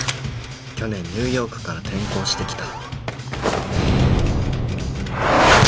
去年ニューヨークから転校してきた